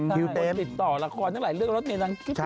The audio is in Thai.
ไปติดต่อรครทั้งหลายเรื่อง